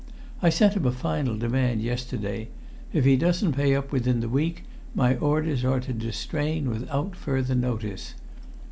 I sent him a final demand yesterday; if he doesn't pay up within the week, my orders are to distrain without further notice.